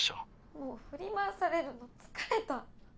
もう振り回されるの疲れた。